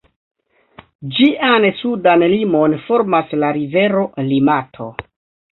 Ĝian sudan limon formas la rivero Limato.